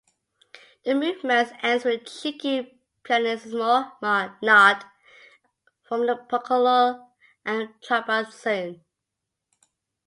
The movement ends with a cheeky pianissimo nod from the piccolo and contrabassoon.